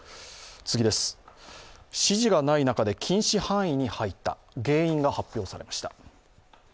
指示がない中で禁止範囲に入った、原因が発表されました。